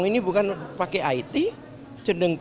ini bukan pakai it